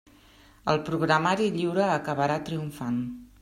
El programari lliure acabarà triomfant.